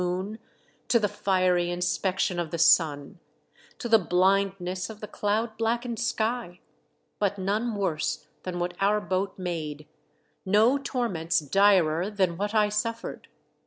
50I moon, to the fiery inspection of the sun, to the blindness of the cloud blackened sky; but none worse than what our boat made ; no torments direr than what I suffered.